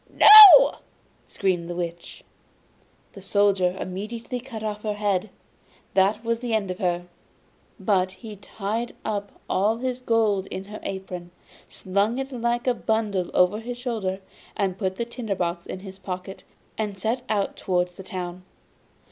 'No!' screamed the Witch. The Soldier immediately cut off her head. That was the end of her! But he tied up all his gold in her apron, slung it like a bundle over his shoulder, put the tinder box in his pocket, and set out towards the town.